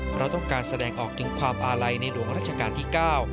เพราะต้องการแสดงออกถึงความอาลัยในหลวงรัชกาลที่๙